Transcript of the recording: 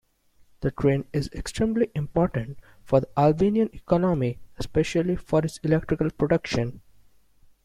The Drin is extremely important for the Albanian economy, especially for its electrical production.